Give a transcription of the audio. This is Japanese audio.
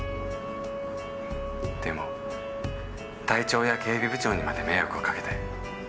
でも隊長や警備部長にまで迷惑をかけて。